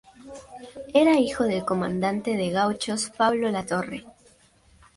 Era hijo del comandante de gauchos Pablo Latorre.